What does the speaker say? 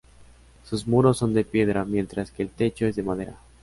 Sus muros son de piedra, mientras que el techo es de madera.